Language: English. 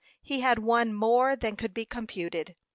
He had won more than could be computed.